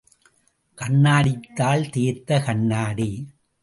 கண்ணாடித்தாள், தேய்த்த கண்ணாடி.